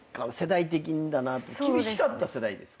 厳しかった世代ですか？